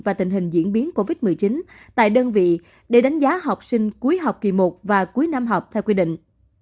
và tình hình diễn biến covid một mươi chín tại đơn vị để đánh giá học sinh cuối học kỳ một và cuối năm học theo quy định